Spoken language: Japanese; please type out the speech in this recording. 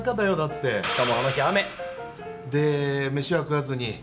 しかもあの日雨！で飯は食わずに。